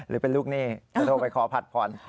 หรือเป็นลูกหนี้โทรไปขอพัดพร